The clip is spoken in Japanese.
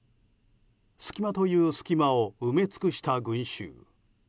隙間という隙間を埋め尽くした群衆。